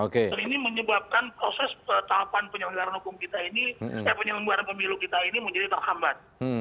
dan ini menyebabkan proses tahapan penyelenggaraan hukum kita ini penyelenggaraan pemilu kita ini menjadi terhambat